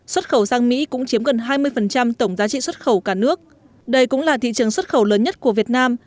xuất khẩu sang mỹ cũng chiếm gần hai mươi tổng giá trị xuất khẩu cả nước đây cũng là thị trường xuất khẩu lớn nhất của việt nam